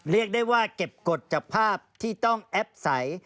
เรียกได้ว่าเก็บกฎจากภาพที่ต้องแอปใส